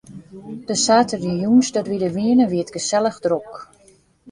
De saterdeitejûns dat wy der wiene, wie it gesellich drok.